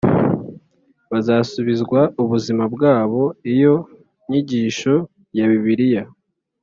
Bazasubizwa ubuzima bwabo iyo nyigisho ya bibiliya